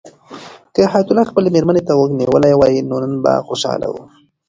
که حیات الله خپلې مېرمنې ته غوږ نیولی وای نو نن به خوشحاله و.